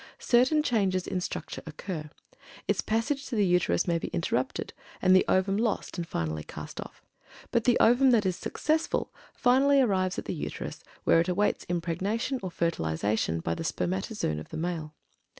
Certain changes in structure occur. Its passage to the Uterus may be interrupted, and the ovum lost and finally cast off. But the ovum that is successful finally arrives at the Uterus where it awaits impregnation or fertilization by the spermatozoon of the male.